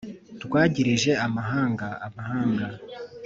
rwagirije amahanga amahanga